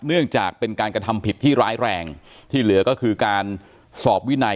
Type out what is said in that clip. เนื่องจากเป็นการกระทำผิดที่ร้ายแรงที่เหลือก็คือการสอบวินัย